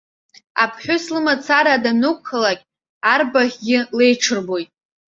Аԥҳәыс лымацара данықәхалак арбаӷьгьы леиҽырбоит!